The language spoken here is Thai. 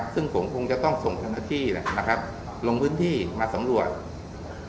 ซึ่งผมคงจะต้องส่งธนที่ลงพื้นที่มาสำรวจ